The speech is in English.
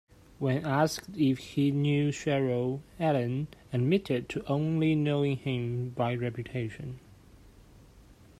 When asked if he knew Shero, Allen admitted to only knowing him by reputation.